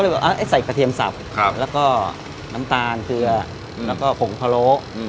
แล้วก็น้ำตาลเกลือแล้วก็ผงพะโล